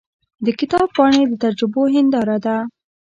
د کتاب پاڼې د تجربو هنداره ده.